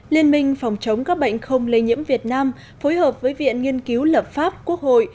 liên minh phòng chống các bệnh không lây nhiễm việt nam phối hợp với viện nghiên cứu lập pháp quốc hội